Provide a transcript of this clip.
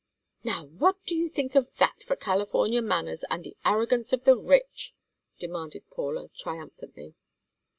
"Now, what do you think of that for California manners, and the arrogance of the rich?" demanded Paula, triumphantly.